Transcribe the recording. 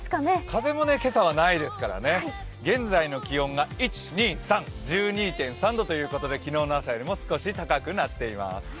風も今朝はないですからね、現在の気温が１２．３度ということで昨日の朝よりも少し高くなっています。